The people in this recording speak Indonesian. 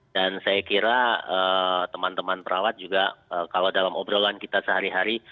dan saya kira teman teman perawat juga kalau dalam obrolan kita sehari hari